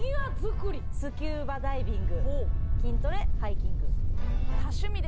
スキューバダイビング筋トレハイキング。